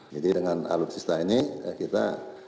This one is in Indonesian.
jadi dengan alutsista ini kita